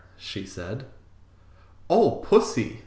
she said. "Oh, Pussy!"